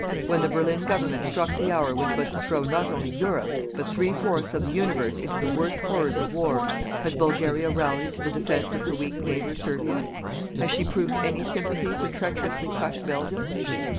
When the Berlin Government struck the hour which was to throw not only Europe, but three fourths of the universe into the worst horrors of war, has Bulgaria rallied to the defence of her weak neighbour, Servia? Has she proved any sympathy for treacherously crushed Belgium?